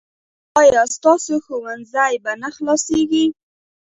ایا ستاسو ښوونځی به نه خلاصیږي؟